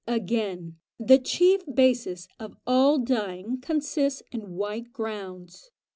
Again, the chief basis of all dyeing consists in white grounds.